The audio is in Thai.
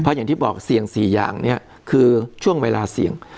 อย่างที่บอกเสี่ยง๔อย่างนี้คือช่วงเวลาเสี่ยง